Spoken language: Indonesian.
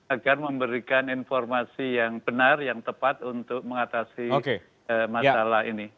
agar memberikan informasi yang benar yang tepat untuk mengatasi masalah ini